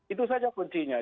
itu saja kuncinya